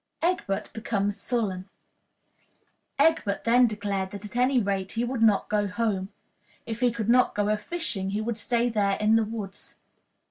Egbert becomes Sullen. Egbert then declared that, at any rate, he would not go home. If he could not go a fishing he would stay there in the woods.